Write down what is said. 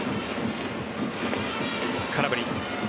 空振り。